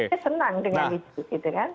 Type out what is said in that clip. saya senang dengan itu gitu kan